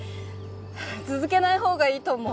続けないほうがいいと思う。